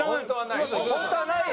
本当はない。